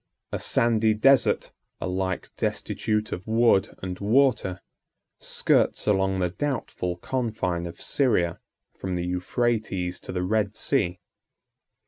83 A sandy desert, alike destitute of wood and water, skirts along the doubtful confine of Syria, from the Euphrates to the Red Sea.